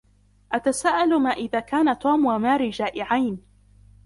أتساءل ما إذا كان توم وماري جائعين.